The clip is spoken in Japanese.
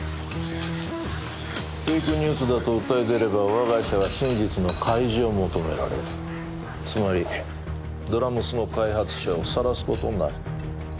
フェイクニュースだと訴え出れば我が社は真実の開示を求められるつまりドラ娘の開発者をさらすことになる